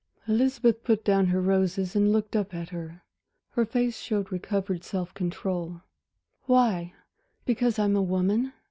Elizabeth put down her roses and looked up at her. Her face showed recovered self control. "Why because I'm a woman?"